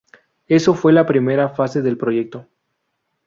Eso fue la primera fase del proyecto.